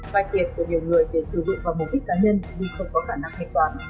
vài kiệt của nhiều người để sử dụng vào mục đích cá nhân nhưng không có khả năng hành toán